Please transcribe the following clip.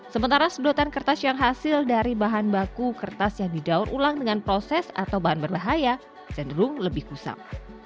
sementara sedotan kertas yang hasil dari bahan baku kertas yang didaur ulang dengan proses atau bahan berbahaya cenderung lebih kusam